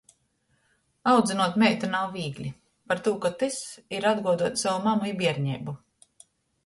Audzynuot meitu nav vīgli, partū ka tys ir atguoduot sovu mamu i bierneibu.